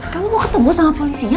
kamu mau ketemu sama polisinya